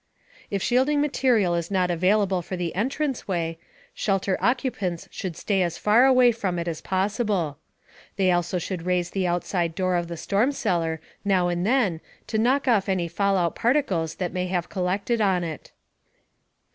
If shielding material is not available for the entrance way, shelter occupants should stay as far away from it as possible. They also should raise the outside door of the storm cellar now and then to knock off any fallout particles that may have collected on it.